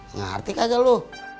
ngerti kaga lu